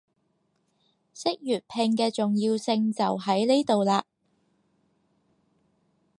識粵拼嘅重要性就喺呢度喇